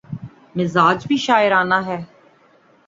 مزاج بھی شاعرانہ ہے۔